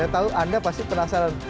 tahu anda pasti penasaran